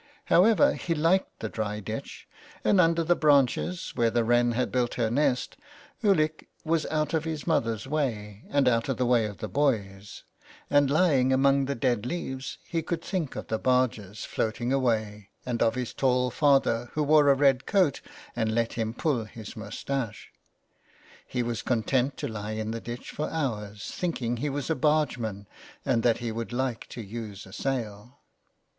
However, he Hked the dry ditch, and under the branches, where the wren had built her nest, Ulick was out of his mother's way, and out of the way of the boys ; and lying among the dead leaves he could think of the barges floating away, and of his tall father who wore a red coat and let him pull his moustache. He was content to lie in the ditch for hours, thinking he was a bargeman and that he would like to use a sail.